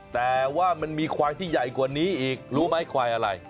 แต่ว่ามันมีควายที่ใหญ่กว่านี้อีกรู้ไหมควายอะไร